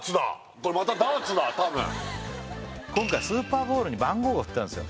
これまたダーツだたぶん今回スーパーボールに番号がふってあるんですよ